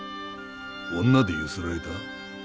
女でゆすられた？